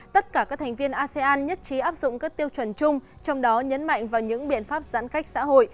tất cả các thành viên asean nhất trí áp dụng các tiêu chuẩn chung trong đó nhấn mạnh vào những biện pháp giãn cách xã hội